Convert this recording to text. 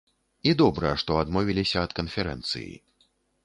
І добра, што адмовіліся ад канферэнцыі.